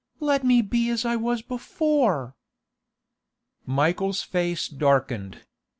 Let me be as I was before!' Michael's face darkened.